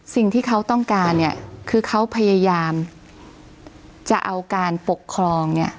สิ่งที่เขาต้องการเนี่ยคือเขาพยายามจะเอาการปกครองเนี่ย